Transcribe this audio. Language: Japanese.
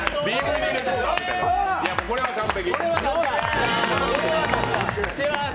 これは完璧。